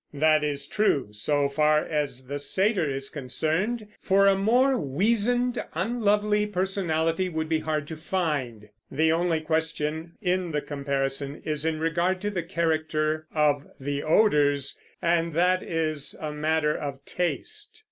That is true, so far as the satyr is concerned; for a more weazened, unlovely personality would be hard to find. The only question in the comparison is in regard to the character of the odors, and that is a matter of taste.